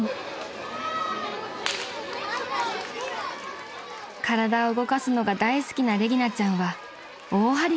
［体を動かすのが大好きなレギナちゃんは大張り切り］